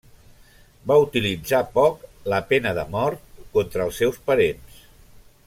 Va utilitzar poc la pena de mort contra els seus parents.